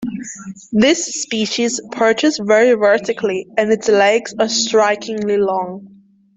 This species perches very vertically, and its legs are strikingly long.